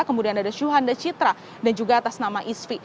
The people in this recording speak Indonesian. kemudian ada syuhanda citra dan juga atas nama isfi